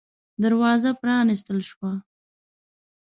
دروازه پًرانيستل شوه.